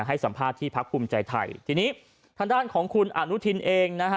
ให้สัมภาษณ์ที่พักภูมิใจไทยทีนี้ทางด้านของคุณอนุทินเองนะฮะ